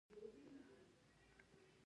او پاينڅو نه دوړه ټکوهله